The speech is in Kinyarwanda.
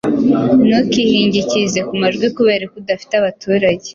Ntukihingikirize ku majwi Kuberako udafite abaturage